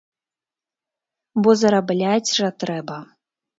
Бо зарабляць жа трэба.